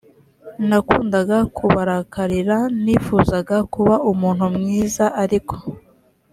nakundaga kubarakarira nifuzaga kuba umuntu mwiza ariko